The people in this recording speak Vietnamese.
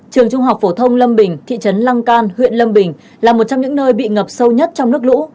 trường trung học phổ thông lâm bình thị trấn lăng can huyện lâm bình là một trong những nơi bị ngập sâu nhất trong nước lũ